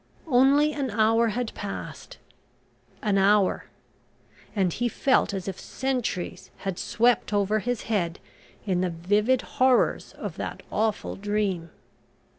Only an hour had passed an hour and he felt as if centuries had swept over his head in the vivid horrors of that awful dream.